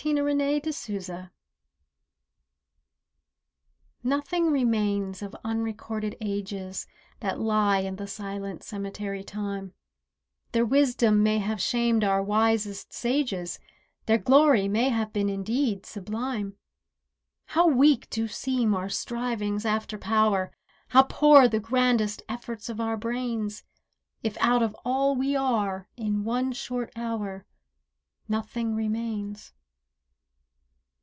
NOTHING REMAINS Nothing remains of unrecorded ages That lie in the silent cemetery time; Their wisdom may have shamed our wisest sages, Their glory may have been indeed sublime. How weak do seem our strivings after power, How poor the grandest efforts of our brains, If out of all we are, in one short hour Nothing remains.